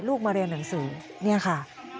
มาเรียนหนังสือเนี่ยค่ะ